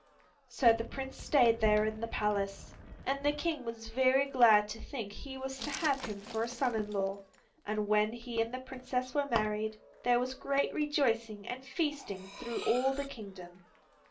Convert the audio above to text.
So the Prince stayed there in the palace, and the King was very glad to think he was to have him for a son in law, and when he and the Princess were married, there was great rejoicing and feasting through all the kingdom.